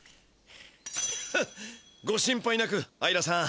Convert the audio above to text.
フッご心配なくアイラさん。